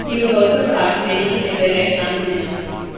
He would also start many that were left unfinished.